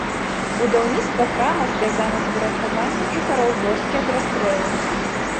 Будаўніцтва храма звязана з выратаваннем жыхароў вёскі ад расстрэлу.